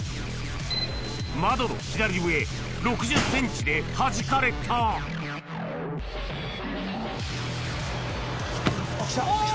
窓の左上６０ｃｍではじかれたおぉ！